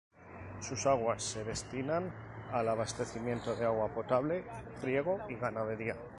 Sus aguas se destinan al abastecimiento de agua potable, riego y ganadería.